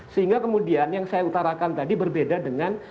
sehingga kemudian yang saya utarakan tadi berbeda dengan